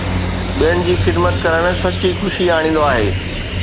ٻين جي خدمت ڪرڻ سچي خوشي آڻيندو آهي